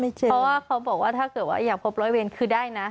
เพราะว่าเขาบอกว่าถ้าเกิดว่าอยากพบร้อยเวรคือได้นะ